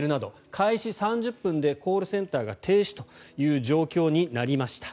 開始３０分でコールセンターが停止という状況になりました。